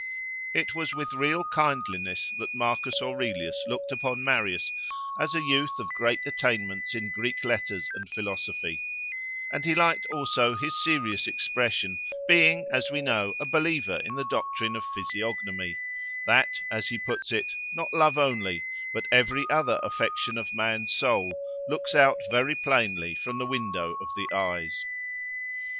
It was with real kindliness that Marcus Aurelius looked upon Marius, as a youth of great attainments in Greek letters and philosophy; and he liked also his serious expression, being, as we know, a believer in the doctrine of physiognomy—that, as he puts it, not love only, but every other affection of man's soul, looks out very plainly from the window of the eyes.